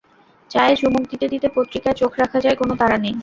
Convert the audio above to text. চায়ে চুমুক দিতে দিতে পত্রিকায় চোখ রাখা যায়, কোনো তাড়া নেই।